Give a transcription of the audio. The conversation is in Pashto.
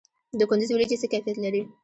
د کندز وریجې څه کیفیت لري؟